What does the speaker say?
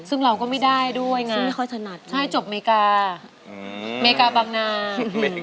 ซึ่งเราก็ไม่ได้ด้วยนะใช่จบเมก้าเมก้าบางนาอย่างนี้